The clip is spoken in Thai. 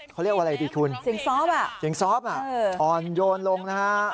เขาเรียกว่าอะไรพี่คุณสิ่งซอฟท์น่ะอ่อนโยนลงนะฮะ